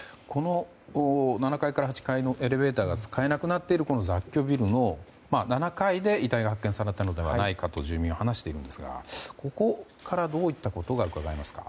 ７階から８階のエレベーターが使えなくなっている雑居ビルの７階で遺体が発見されたのではないかと住民は話しているんですがここから、どういったことがうかがえますか？